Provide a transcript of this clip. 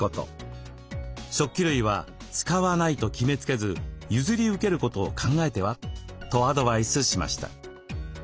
食器類は「使わない」と決めつけず譲り受けることを考えては？とアドバイスしました。